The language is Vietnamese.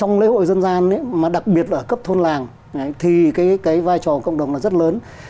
trong lễ hội dân gian mà đặc biệt ở cấp thôn làng thì cái vai trò của cộng đồng là rất lớn